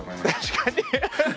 確かに！